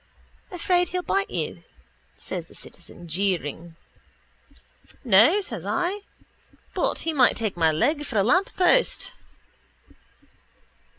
—Afraid he'll bite you? says the citizen, jeering. —No, says I. But he might take my leg for a lamppost.